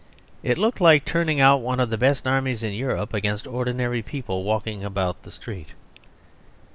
It looked like turning out one of the best armies in Europe against ordinary people walking about the street.